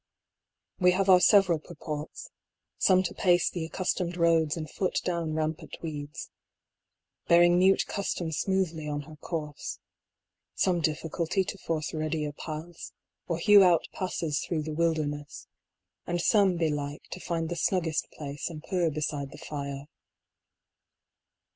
We have our several purports ; some to pace the accustomed roads and foot down rampant weeds, bearing mute custom smoothly on her course ; some difficultly to force readier paths, AN INVENTOR. or hew out passes through the wilderness ; and some belike to find the snuggest place, and purr beside the fire.